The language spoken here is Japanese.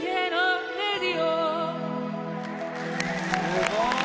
すごい！